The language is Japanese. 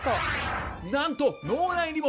なんと脳内にも！